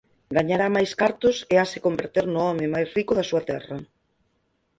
Gañará máis cartos e hase converter no home máis rico da súa terra.